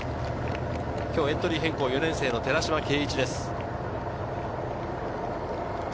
今日エントリー変更、４年生の寺嶌渓一です。